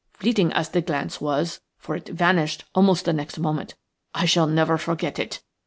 Fleeting as the glance was, for it vanished almost the next moment, I shall never forget it.